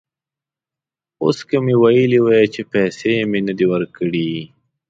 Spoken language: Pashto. اوس که مې ویلي وای چې پیسې مې نه دي ورکړي.